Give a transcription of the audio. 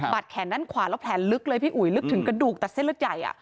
แขนด้านขวาแล้วแผลลึกเลยพี่อุ๋ยลึกถึงกระดูกตัดเส้นเลือดใหญ่